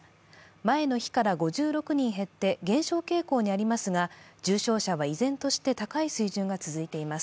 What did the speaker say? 前の日から５６人減って、減少傾向にありますが、重症者は依然として高い水準が続いています。